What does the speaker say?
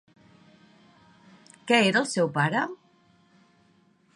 Què era el seu pare?